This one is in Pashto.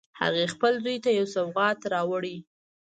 هغې خپل زوی ته یو سوغات راوړی